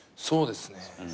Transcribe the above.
そうですね。